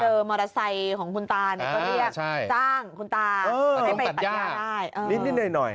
เจอมอเตอร์ไซค์ของคุณตาก็เรียกจ้างคุณตาให้ไปตัดย่าได้